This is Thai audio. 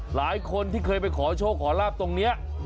หลายคนที่เคยไปขอโชคขอลาบตรงนี้